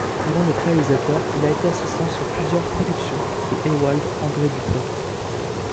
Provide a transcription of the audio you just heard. Avant d'être réalisateur, il a été assistant sur plusieurs productions de Ewald André Dupont.